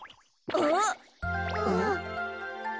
あっ。